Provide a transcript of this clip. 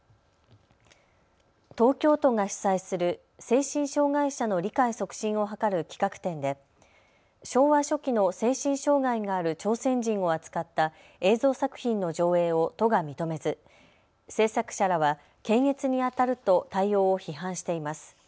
東京都が主催する精神障害者の理解促進を図る企画展で昭和初期の精神障害がある朝鮮人を扱った映像作品の上映を都が認めず制作者らは検閲にあたると対応を批判しています。